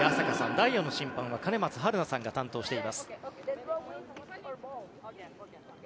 第４の審判は兼松春奈さんが担当しています。